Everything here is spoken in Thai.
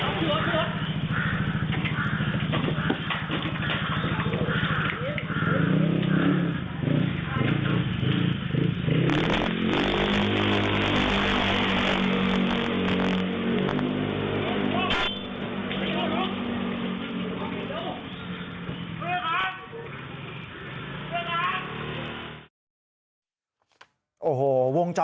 โอ้โหวงจรปิดเห็นเหตุการณ์ทั้งหมดชัดเจน